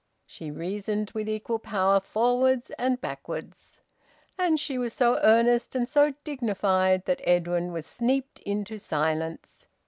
She reasoned with equal power forwards and backwards. And she was so earnest and so dignified that Edwin was sneaped into silence.